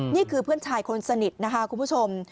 นี่คือเพื่อนชายคนสนิทนะคะคุณผู้ชม